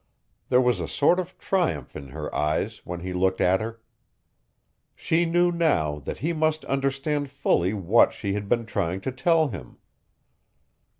There was a sort of triumph in her eyes when he looked at her. She knew now that he must understand fully what she had been trying to tell him.